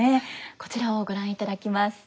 こちらをご覧いただきます。